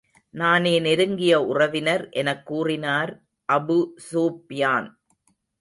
நானே நெருங்கிய உறவினர் எனக் கூறினார் அபூ ஸூப்யான்.